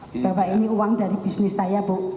bahwa ini uang dari bisnis saya bu